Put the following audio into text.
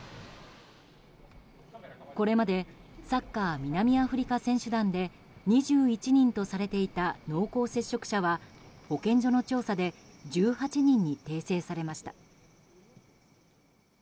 これまでサッカー南アフリカ選手団で２１人とされていた濃厚接触者は保健所の調査で１８人に訂正されました。